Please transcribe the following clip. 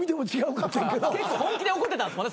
結構本気で怒ってたんすもんね